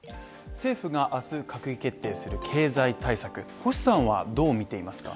政府があす閣議決定する経済対策、星さんはどう見ていますか。